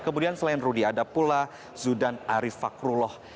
kemudian selain rudi ada pula zudan arif fakrullah